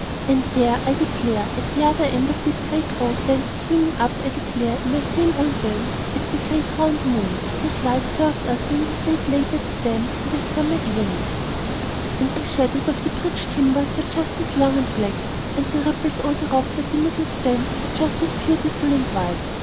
And there, I declare, at the other end of this great roadway swimming up, I declare, in the same old way is the great round moon whose light served us when we stayed late at the dam in the summer evenings. And the shadows of the bridge timbers are just as long and black; and the ripples over the rocks at the middle span are just as beautiful and white.